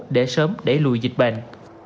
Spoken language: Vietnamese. để sớm để lùi dịch bệnh